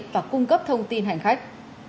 và cung cấp thông tin hành khách